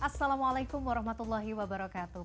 assalamualaikum warahmatullahi wabarakatuh